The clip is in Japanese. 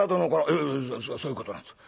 「ええそういうことなんです」。